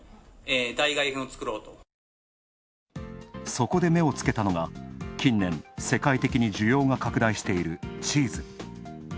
そこで目をつけたのが、近年、世界的に需要が拡大しているチーズ。